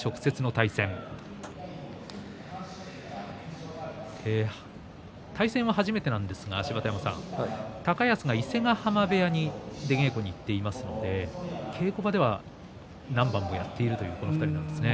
対戦は初めてなんですが高安が伊勢ヶ濱部屋に出稽古に行っていますので稽古場では何番もやっているという２人なんですね。